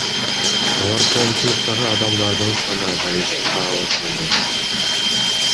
Алар коомчулуктагы адамдардын саны азайышын каалашууда.